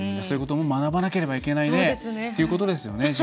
そういうことも学ばなければいけないということですよね。